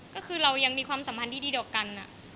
ก็คือเรายังมีความสัมพันธ์ที่ดีต่อกัน